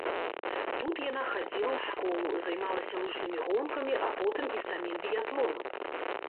Тут яна хадзіла ў школу, займалася лыжнымі гонкамі, а потым і самім біятлонам.